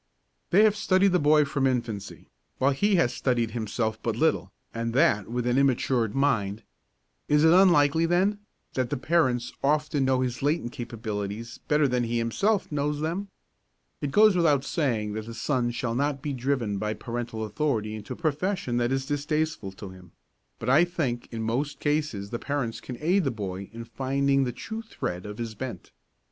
They have studied the boy from infancy, while he has studied himself but little, and that with an immatured mind. Is it unlikely, then, that the parents often know his latent capabilities better than he himself knows them? It goes without saying that the son shall not be driven by parental authority into a profession that is distasteful to him; but I think in most cases the parents can aid the boy in finding the true thread of his bent.